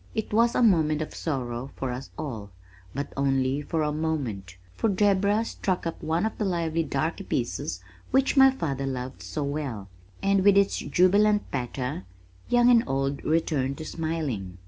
It was a moment of sorrow for us all but only for a moment, for Deborah struck up one of the lively "darky pieces" which my father loved so well, and with its jubilant patter young and old returned to smiling.